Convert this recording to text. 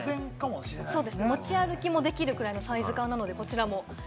持ち歩きもできるくらいのサイズ感なので。